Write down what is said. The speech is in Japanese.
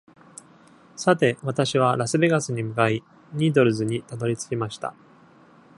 さて、私はラスベガスに向かい、ニードルズにたどり着きました。